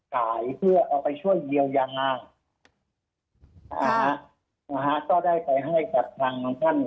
สายเพื่อเอาไปช่วยเยียวยาค่ะค่ะก็ได้ไปให้กับทางท่าน